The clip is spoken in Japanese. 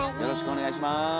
よろしくお願いします。